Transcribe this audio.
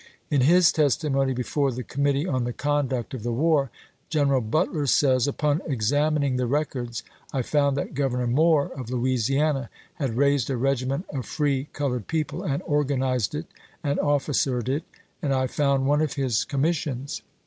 In his testimony before the Committee on the Conduct of the War, Greneral Butler says :" Upon examining the records I found that Grovernor Moore of Louisiana had raised a regiment of free colored people, and organized it and of&cered it ; and I found one of his commis sions.